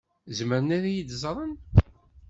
Zemren ad iyi-d-ẓren?